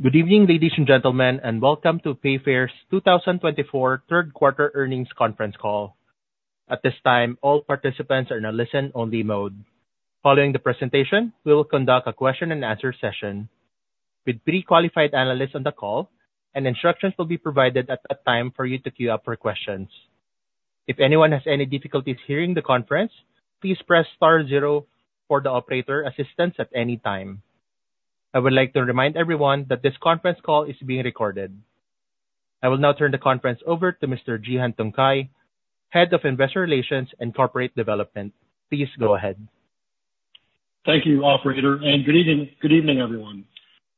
Good evening, ladies and gentlemen, and welcome to Payfare's 2024 Q3 earnings conference call. At this time, all participants are in a listen-only mode. Following the presentation, we will conduct a question-and-answer session. With pre-qualified analysts on the call, instructions will be provided at that time for you to queue up for questions. If anyone has any difficulties hearing the conference, please press star zero for the operator assistance at any time. I would like to remind everyone that this conference call is being recorded. I will now turn the conference over to Mr. Cihan Tuncay, Head of Investor Relations and Corporate Development. Please go ahead. Thank you, Operator, and good evening, everyone.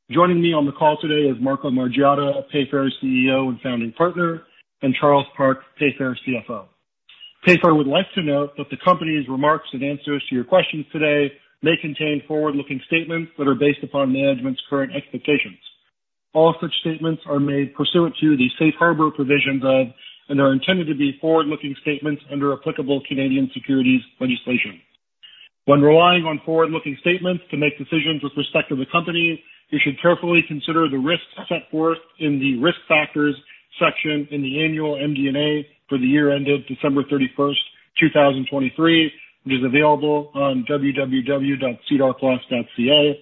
Joining me on the call today is Marco Margiotta, Payfare's CEO and founding partner, and Charles Park, Payfare's CFO. Payfare would like to note that the company's remarks and answers to your questions today may contain forward-looking statements that are based upon management's current expectations. All such statements are made pursuant to the safe harbor provisions of and are intended to be forward-looking statements under applicable Canadian securities legislation. When relying on forward-looking statements to make decisions with respect to the company, you should carefully consider the risks set forth in the risk factors section in the annual MD&A for the year ended December 31st, 2023, which is available on www.sedar.com.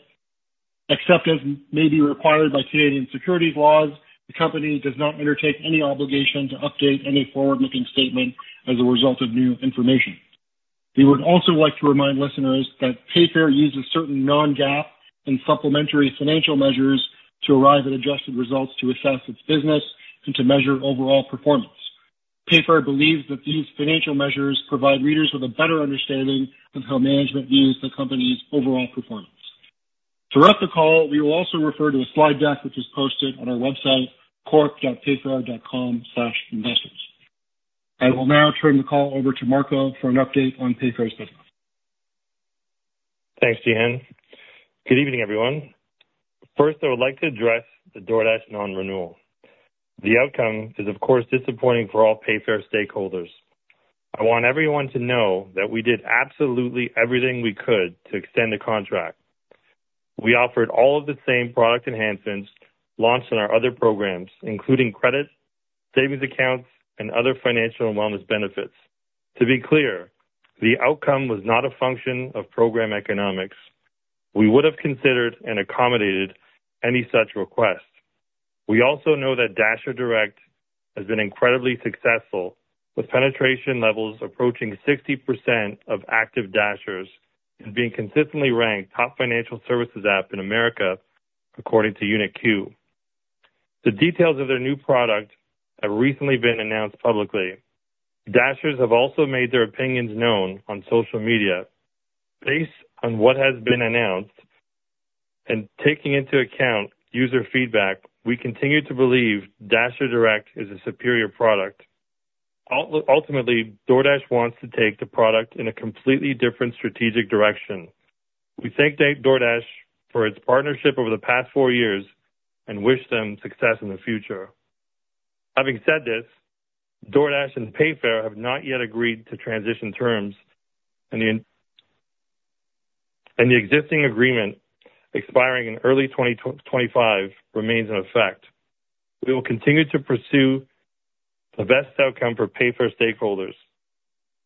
Except as may be required by Canadian securities laws, the company does not undertake any obligation to update any forward-looking statement as a result of new information. We would also like to remind listeners that Payfare uses certain Non-GAAP and supplementary financial measures to arrive at adjusted results to assess its business and to measure overall performance. Payfare believes that these financial measures provide readers with a better understanding of how management views the company's overall performance. Throughout the call, we will also refer to a slide deck which is posted on our website, corp.payfare.com/investors. I will now turn the call over to Marco for an update on Payfare's business. Thanks, Cihan. Good evening, everyone. First, I would like to address the DoorDash non-renewal. The outcome is, of course, disappointing for all Payfare stakeholders. I want everyone to know that we did absolutely everything we could to extend the contract. We offered all of the same product enhancements launched in our other programs, including credit, savings accounts, and other financial and wellness benefits. To be clear, the outcome was not a function of program economics. We would have considered and accommodated any such request. We also know that DasherDirect has been incredibly successful, with penetration levels approaching 60% of active Dashers and being consistently ranked top financial services app in America, according to UnitQ. The details of their new product have recently been announced publicly. Dashers have also made their opinions known on social media. Based on what has been announced and taking into account user feedback, we continue to believe DasherDirect is a superior product. Ultimately, DoorDash wants to take the product in a completely different strategic direction. We thank DoorDash for its partnership over the past four years and wish them success in the future. Having said this, DoorDash and Payfare have not yet agreed to transition terms, and the existing agreement, expiring in early 2025, remains in effect. We will continue to pursue the best outcome for Payfare stakeholders.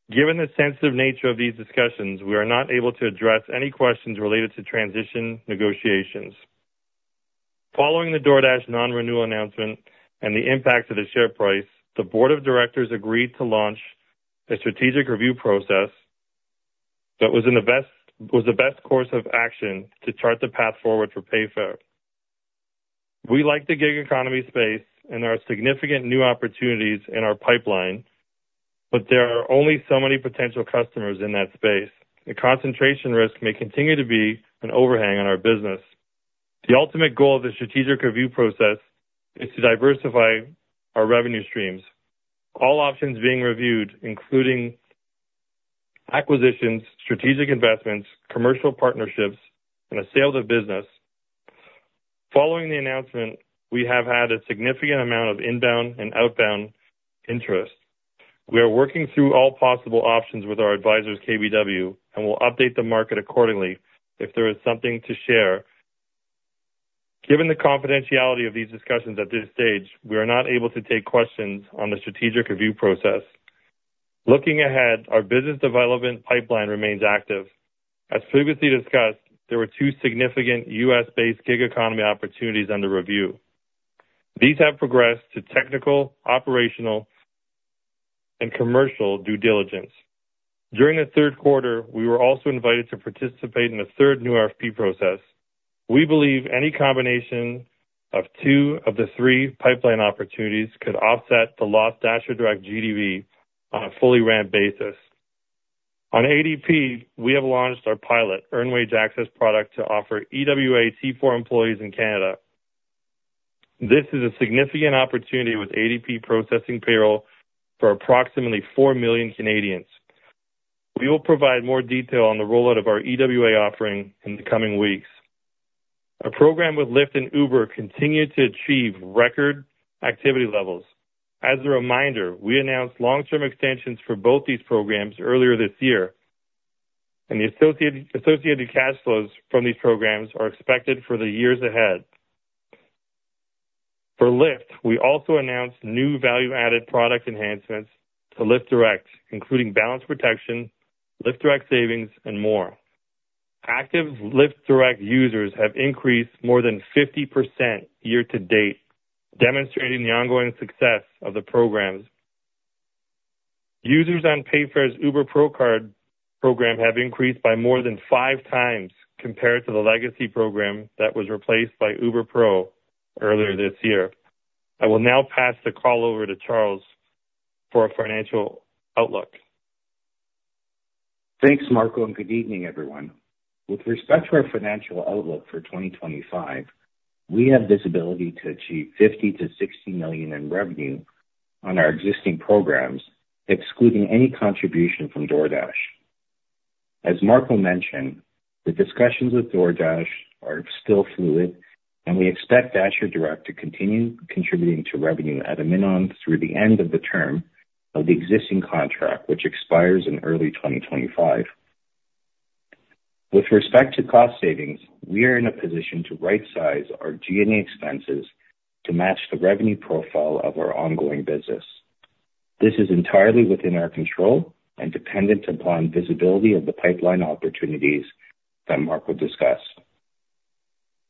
Given the sensitive nature of these discussions, we are not able to address any questions related to transition negotiations. Following the DoorDash non-renewal announcement and the impact of the share price, the Board of Directors agreed to launch a strategic review process that was the best course of action to chart the path forward for Payfare. We like the gig economy space, and there are significant new opportunities in our pipeline, but there are only so many potential customers in that space. The concentration risk may continue to be an overhang on our business. The ultimate goal of the strategic review process is to diversify our revenue streams, all options being reviewed, including acquisitions, strategic investments, commercial partnerships, and a sale of the business. Following the announcement, we have had a significant amount of inbound and outbound interest. We are working through all possible options with our advisors, KBW, and will update the market accordingly if there is something to share. Given the confidentiality of these discussions at this stage, we are not able to take questions on the strategic review process. Looking ahead, our business development pipeline remains active. As previously discussed, there were two significant U.S.-based gig economy opportunities under review. These have progressed to technical, operational, and commercial due diligence. During the Q3, we were also invited to participate in a third new RFP process. We believe any combination of two of the three pipeline opportunities could offset the lost DasherDirect GDV on a full-run basis. On ADP, we have launched our pilot earned wage access product to offer EWA T4 employees in Canada. This is a significant opportunity with ADP processing payroll for approximately four million Canadians. We will provide more detail on the rollout of our EWA offering in the coming weeks. Our program with Lyft and Uber continues to achieve record activity levels. As a reminder, we announced long-term extensions for both these programs earlier this year, and the associated cash flows from these programs are expected for the years ahead. For Lyft, we also announced new value-added product enhancements to Lyft Direct, including Balance Protection, Lyft Direct Savings, and more. Active Lyft Direct users have increased more than 50% year to date, demonstrating the ongoing success of the programs. Users on Payfare's Uber Pro Card program have increased by more than five times compared to the legacy program that was replaced by Uber Pro earlier this year. I will now pass the call over to Charles for a financial outlook. Thanks, Marco, and good evening, everyone. With respect to our financial outlook for 2025, we have visibility to achieve 50 to 60 million in revenue on our existing programs, excluding any contribution from DoorDash. As Marco mentioned, the discussions with DoorDash are still fluid, and we expect DasherDirect to continue contributing to revenue at a minimum through the end of the term of the existing contract, which expires in early 2025. With respect to cost savings, we are in a position to right-size our G&A expenses to match the revenue profile of our ongoing business. This is entirely within our control and dependent upon visibility of the pipeline opportunities that Marco discussed.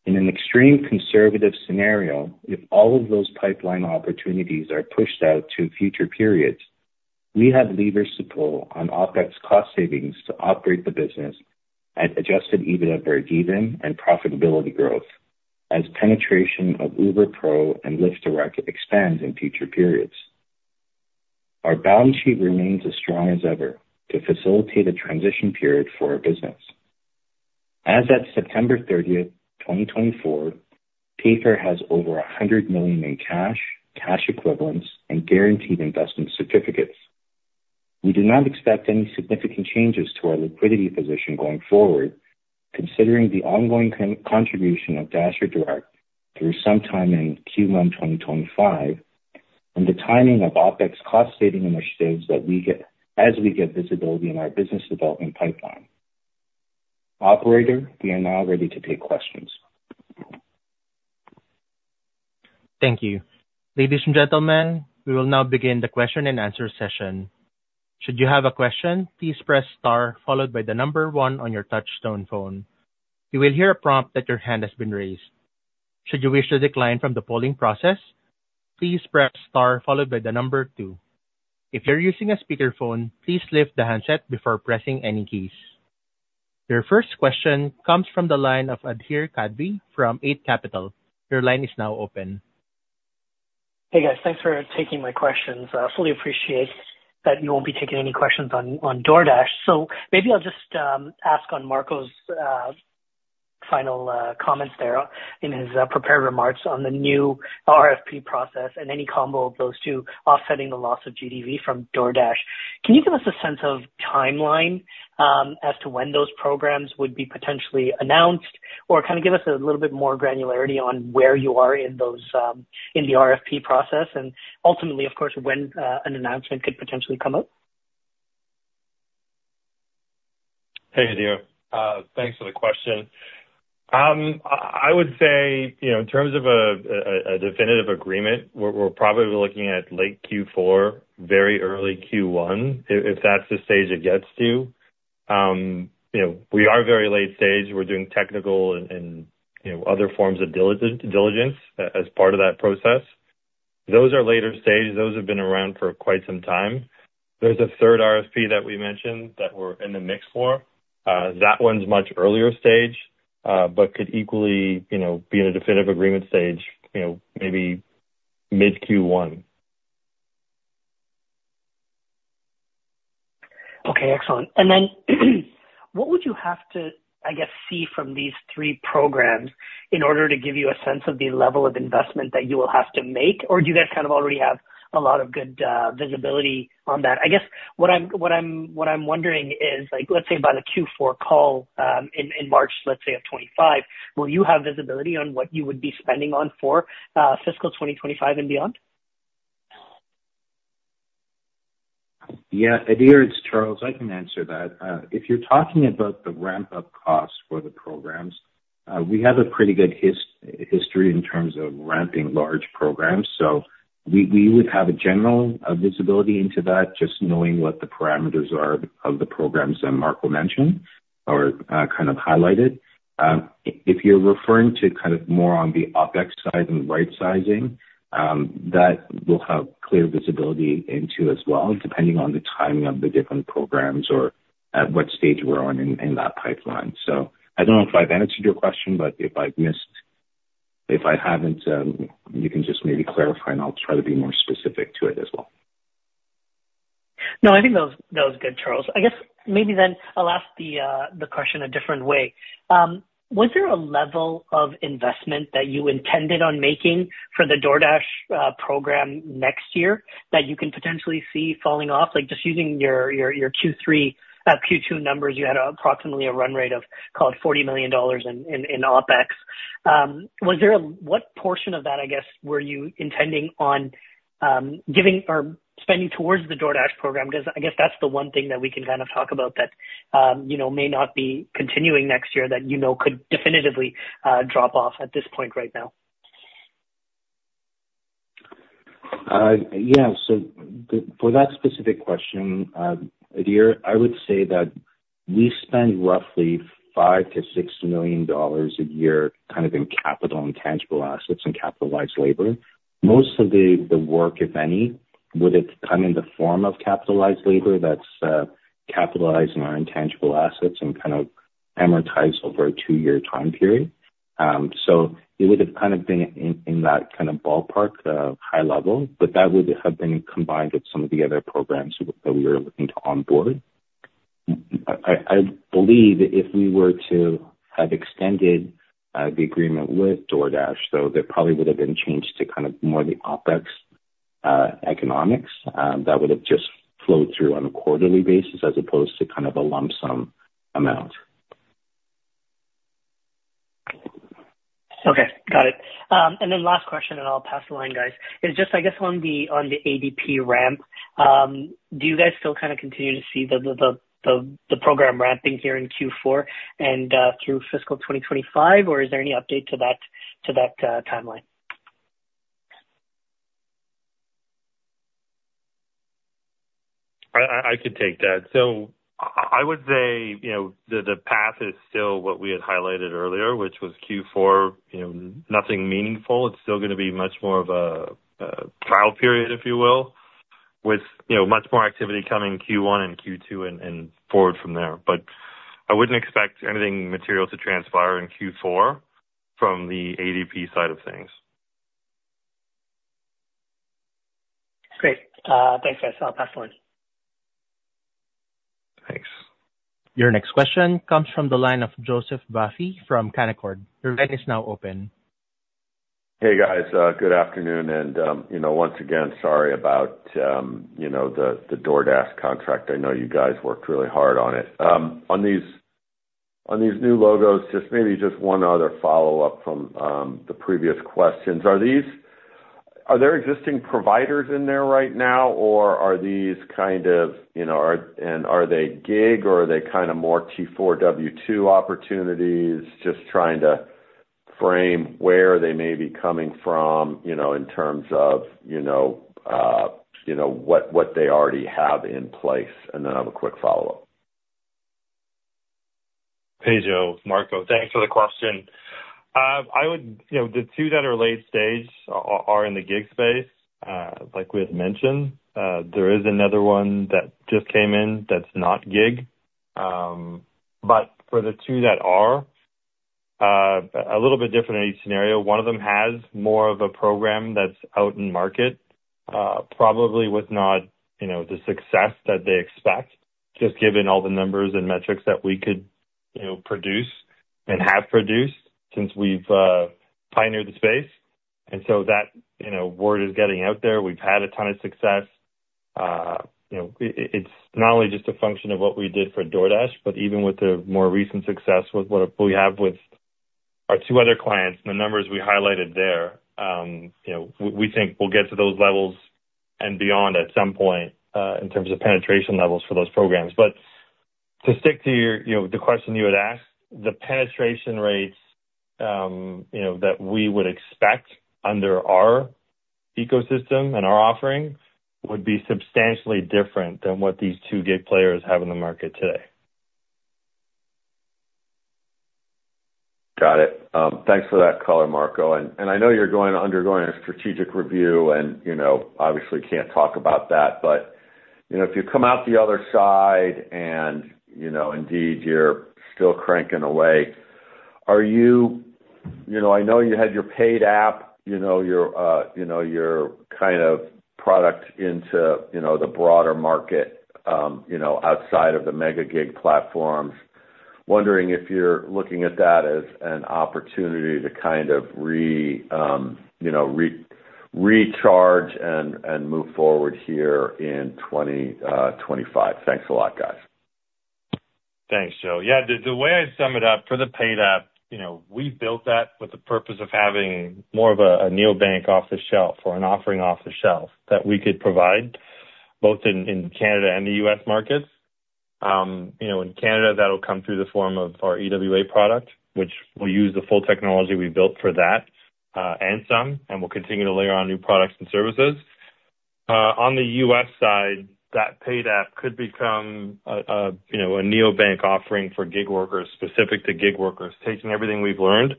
In an extreme conservative scenario, if all of those pipeline opportunities are pushed out to future periods, we have leverage to pull on OPEX cost savings to operate the business at adjusted EBITDA per dividend and profitability growth, as penetration of Uber Pro and Lyft Direct expands in future periods. Our balance sheet remains as strong as ever to facilitate a transition period for our business. As of September 30th, 2024, Payfare has over 100 million in cash, cash equivalents, and guaranteed investment certificates. We do not expect any significant changes to our liquidity position going forward, considering the ongoing contribution of DasherDirect through sometime in Q1 2025 and the timing of OPEX cost saving initiatives as we get visibility in our business development pipeline. Operator, we are now ready to take questions. Thank you. Ladies and gentlemen, we will now begin the question-and-answer session. Should you have a question, please press star followed by the number one on your touch-tone phone. You will hear a prompt that your hand has been raised. Should you wish to decline from the polling process, please press star followed by the number two. If you're using a speakerphone, please lift the handset before pressing any keys. Your first question comes from the line of Adhir Kadve from Eight Capital. Your line is now open. Hey, guys. Thanks for taking my questions. I fully appreciate that you won't be taking any questions on DoorDash. So maybe I'll just ask on Marco's final comments there in his prepared remarks on the new RFP process and any combo of those two offsetting the loss of GDV from DoorDash. Can you give us a sense of timeline as to when those programs would be potentially announced, or kind of give us a little bit more granularity on where you are in the RFP process and ultimately, of course, when an announcement could potentially come out? Hey, Adhir. Thanks for the question. I would say, in terms of a definitive agreement, we're probably looking at late Q4, very early Q1, if that's the stage it gets to. We are very late stage. We're doing technical and other forms of diligence as part of that process. Those are later stage. Those have been around for quite some time. There's a third RFP that we mentioned that we're in the mix for. That one's much earlier stage, but could equally be in a definitive agreement stage, maybe mid-Q1. Okay. Excellent. And then what would you have to, I guess, see from these three programs in order to give you a sense of the level of investment that you will have to make, or do you guys kind of already have a lot of good visibility on that? I guess what I'm wondering is, let's say, by the Q4 call in March, let's say, of 2025, will you have visibility on what you would be spending on for fiscal 2025 and beyond? Yeah. Adhir, it's Charles. I can answer that. If you're talking about the ramp-up costs for the programs, we have a pretty good history in terms of ramping large programs. So we would have a general visibility into that, just knowing what the parameters are of the programs that Marco mentioned or kind of highlighted. If you're referring to kind of more on the OPEX side and right-sizing, that will have clear visibility into as well, depending on the timing of the different programs or at what stage we're on in that pipeline. So I don't know if I've answered your question, but if I haven't, you can just maybe clarify, and I'll try to be more specific to it as well. No, I think that was good, Charles. I guess maybe then I'll ask the question a different way. Was there a level of investment that you intended on making for the DoorDash program next year that you can potentially see falling off? Just using your Q2 numbers, you had approximately a run rate of called $40 million in OPEX. What portion of that, I guess, were you intending on spending towards the DoorDash program? Because I guess that's the one thing that we can kind of talk about that may not be continuing next year that you know could definitively drop off at this point right now. Yeah. So for that specific question, Adhir, I would say that we spend roughly $5 to 6 million a year kind of in capital and tangible assets and capitalized labor. Most of the work, if any, would have come in the form of capitalized labor that's capitalizing our intangible assets and kind of amortized over a two-year time period. So it would have kind of been in that kind of ballpark high level, but that would have been combined with some of the other programs that we were looking to onboard. I believe if we were to have extended the agreement with DoorDash, though, there probably would have been changed to kind of more the OPEX economics. That would have just flowed through on a quarterly basis as opposed to kind of a lump sum amount. Okay. Got it. And then last question, and I'll pass the line, guys, is just, I guess, on the ADP ramp, do you guys still kind of continue to see the program ramping here in Q4 and through fiscal 2025, or is there any update to that timeline? I could take that. So I would say the path is still what we had highlighted earlier, which was Q4, nothing meaningful. It's still going to be much more of a trial period, if you will, with much more activity coming Q1 and Q2 and forward from there. But I wouldn't expect anything material to transpire in Q4 from the ADP side of things. Great. Thanks, guys. I'll pass the line. Thanks. Your next question comes from the line of Joseph Vafi from Canaccord. Your line is now open. Hey, guys. Good afternoon. And once again, sorry about the DoorDash contract. I know you guys worked really hard on it. On these new logos, just maybe just one other follow-up from the previous questions. Are there existing providers in there right now, or are these kind of, and are they gig, or are they kind of more T4, W-2 opportunities? Just trying to frame where they may be coming from in terms of what they already have in place. And then I have a quick follow-up. Hey, Joe. Marco, thanks for the question. The two that are late stage are in the gig space, like we had mentioned. There is another one that just came in that's not gig. But for the two that are, a little bit different in each scenario, one of them has more of a program that's out in market, probably with not the success that they expect, just given all the numbers and metrics that we could produce and have produced since we've pioneered the space. And so that word is getting out there. We've had a ton of success. It's not only just a function of what we did for DoorDash, but even with the more recent success with what we have with our two other clients, the numbers we highlighted there, we think we'll get to those levels and beyond at some point in terms of penetration levels for those programs. But to stick to the question you had asked, the penetration rates that we would expect under our ecosystem and our offering would be substantially different than what these two gig players have in the market today. Got it. Thanks for that color, Marco. And I know you're undergoing a strategic review and obviously can't talk about that, but if you come out the other side and indeed you're still cranking away, are you? I know you had your Paid app, your kind of product into the broader market outside of the mega gig platforms. Wondering if you're looking at that as an opportunity to kind of recharge and move forward here in 2025. Thanks a lot, guys. Thanks, Joe. Yeah. The way I'd sum it up for the Paid App, we built that with the purpose of having more of a neobank off-the-shelf or an offering off-the-shelf that we could provide both in Canada and the U.S. markets. In Canada, that'll come through the form of our EWA product, which will use the full technology we built for that and some, and we'll continue to layer on new products and services. On the U.S. side, that Paid App could become a neobank offering for gig workers specific to gig workers, taking everything we've learned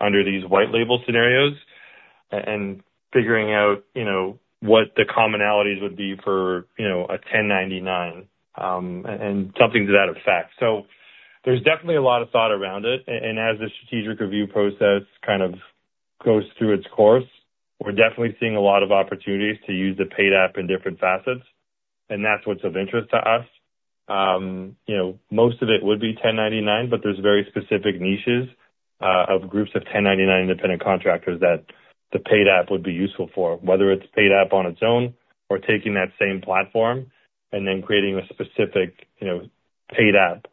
under these white label scenarios and figuring out what the commonalities would be for a 1099 and something to that effect. So there's definitely a lot of thought around it. As the strategic review process kind of goes through its course, we're definitely seeing a lot of opportunities to use the Paid app in different facets. That's what's of interest to us. Most of it would be 1099, but there's very specific niches of groups of 1099 independent contractors that the Paid app would be useful for, whether it's Paid app on its own or taking that same platform and then creating a specific Paid app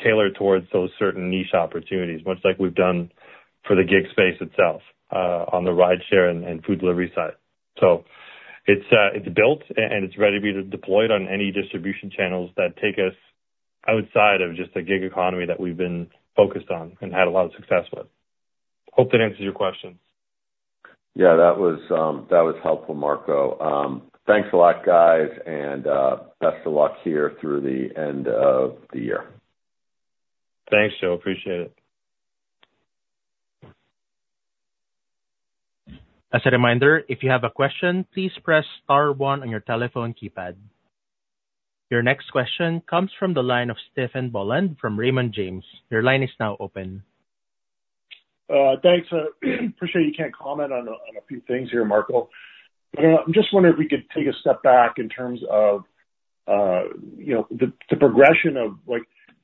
tailored towards those certain niche opportunities, much like we've done for the gig space itself on the rideshare and food delivery side. It's built and it's ready to be deployed on any distribution channels that take us outside of just the gig economy that we've been focused on and had a lot of success with. Hope that answers your questions. Yeah, that was helpful, Marco. Thanks a lot, guys, and best of luck here through the end of the year. Thanks, Joe. Appreciate it. As a reminder, if you have a question, please press star 1 on your telephone keypad. Your next question comes from the line of Stephen Boland from Raymond James. Your line is now open. I appreciate that you can't comment on a few things here, Marco. I'm just wondering if we could take a step back in terms of the progression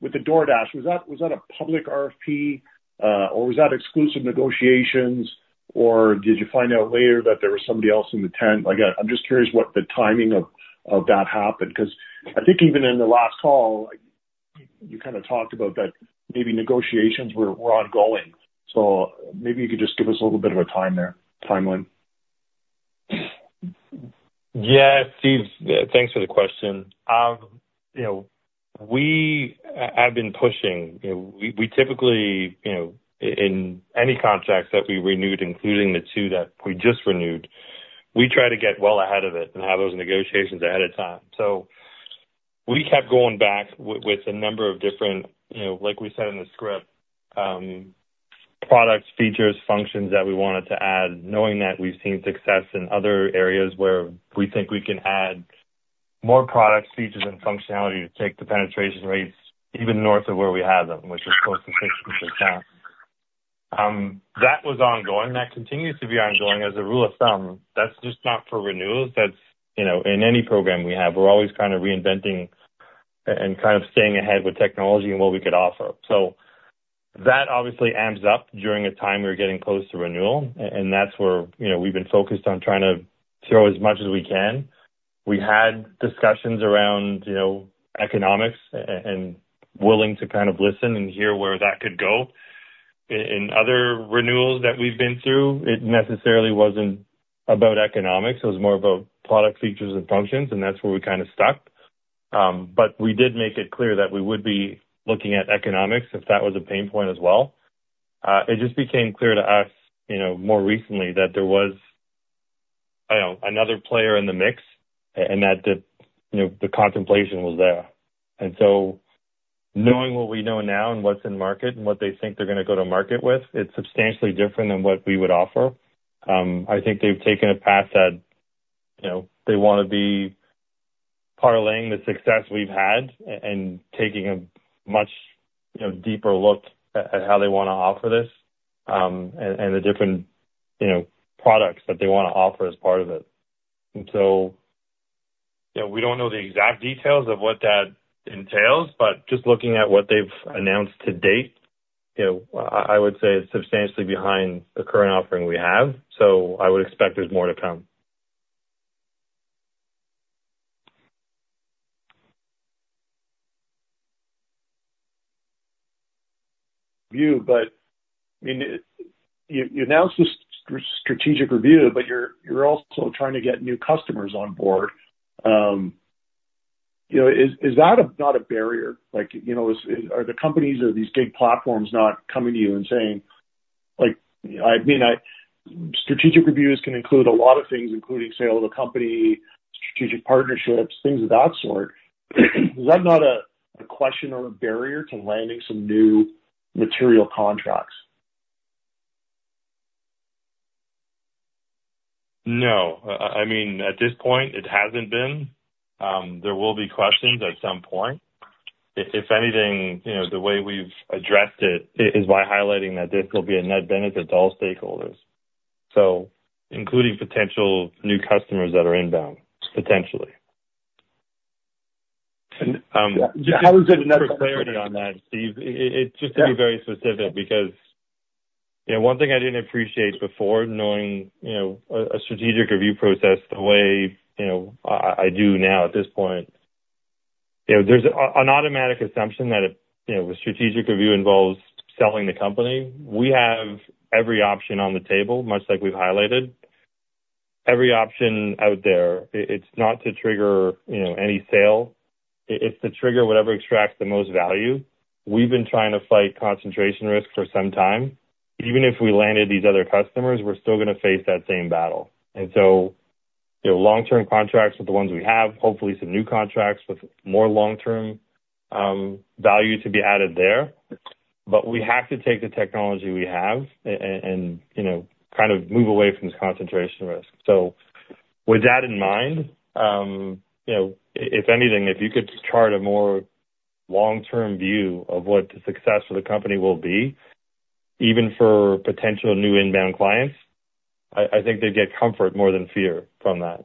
with the DoorDash. Was that a public RFP, or was that exclusive negotiations, or did you find out later that there was somebody else in the tent? I'm just curious what the timing of that happened because I think even in the last call, you kind of talked about that maybe negotiations were ongoing. So maybe you could just give us a little bit of a timeline there. Yeah. Thanks for the question. We have been pushing. We typically, in any contracts that we renewed, including the two that we just renewed, we try to get well ahead of it and have those negotiations ahead of time. So we kept going back with a number of different, like we said in the script, products, features, functions that we wanted to add, knowing that we've seen success in other areas where we think we can add more products, features, and functionality to take the penetration rates even north of where we have them, which is close to 60%. That was ongoing. That continues to be ongoing as a rule of thumb. That's just not for renewals. That's in any program we have. We're always kind of reinventing and kind of staying ahead with technology and what we could offer. So, that obviously amps up during a time we were getting close to renewal, and that's where we've been focused on trying to throw as much as we can. We had discussions around economics and willing to kind of listen and hear where that could go. In other renewals that we've been through, it necessarily wasn't about economics. It was more about product features and functions, and that's where we kind of stuck. But we did make it clear that we would be looking at economics if that was a pain point as well. It just became clear to us more recently that there was another player in the mix, and that the contemplation was there. And so knowing what we know now and what's in market and what they think they're going to go to market with, it's substantially different than what we would offer. I think they've taken a path that they want to be parlaying the success we've had and taking a much deeper look at how they want to offer this and the different products that they want to offer as part of it, and so we don't know the exact details of what that entails, but just looking at what they've announced to date, I would say it's substantially behind the current offering we have, so I would expect there's more to come. Review, but I mean, you announced a strategic review, but you're also trying to get new customers on board. Is that not a barrier? Are the companies or these gig platforms not coming to you and saying, "I mean, strategic reviews can include a lot of things, including sale of the company, strategic partnerships, things of that sort"? Is that not a question or a barrier to landing some new material contracts? No. I mean, at this point, it hasn't been. There will be questions at some point. If anything, the way we've addressed it is by highlighting that this will be a net benefit to all stakeholders, including potential new customers that are inbound, potentially. How is it a net benefit? Just for clarity on that, Steve, just to be very specific, because one thing I didn't appreciate before knowing a strategic review process the way I do now at this point, there's an automatic assumption that a strategic review involves selling the company. We have every option on the table, much like we've highlighted. Every option out there, it's not to trigger any sale. It's to trigger whatever extracts the most value. We've been trying to fight concentration risk for some time. Even if we landed these other customers, we're still going to face that same battle. And so long-term contracts with the ones we have, hopefully some new contracts with more long-term value to be added there. But we have to take the technology we have and kind of move away from this concentration risk. With that in mind, if anything, if you could chart a more long-term view of what the success for the company will be, even for potential new inbound clients, I think they'd get comfort more than fear from that.